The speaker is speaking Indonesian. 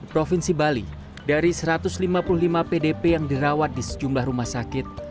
provinsi bali dari satu ratus lima puluh lima pdp yang dirawat di sejumlah rumah sakit